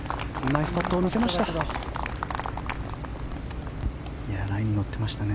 ナイスパットを乗せました。